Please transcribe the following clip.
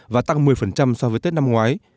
và tăng một mươi so với tết năm ngoái